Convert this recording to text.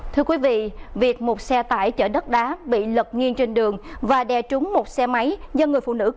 thưa quý vị việc một xe tải chở đất đá bị lật nghiêng trên đường và đe trúng một xe máy do người phụ nữ